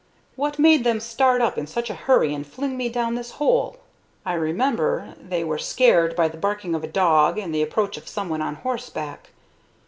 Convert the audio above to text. What made them start up in such a hurry and fling me down this hole? I remember: they were scared by the barking of a dog and the approach of some one on horseback.